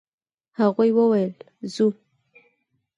هغه وويل: «ځو!»